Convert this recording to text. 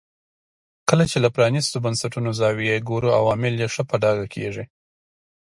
کله چې له پرانیستو بنسټونو زاویې ګورو عوامل یې ښه په ډاګه کېږي.